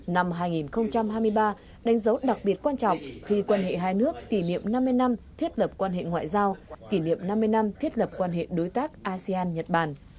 năm hai nghìn hai mươi ba đánh dấu đặc biệt quan trọng khi quan hệ hai nước kỷ niệm năm mươi năm thiết lập quan hệ ngoại giao kỷ niệm năm mươi năm thiết lập quan hệ đối tác asean nhật bản